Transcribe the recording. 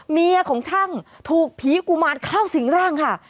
เมียของช่างถูกผีกุมารเข้าสิงร่างค่ะ